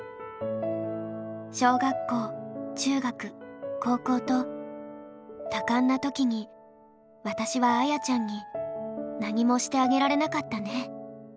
小学校中学高校と多感な時に私はあやちゃんになにもしてあげられなかったね。